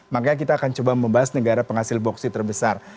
makanya kita akan coba membahas negara penghasil boksit terbesar